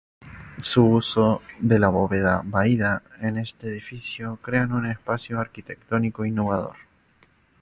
Su uso de la bóveda vaída en este edificio crean un espacio arquitectónico innovador.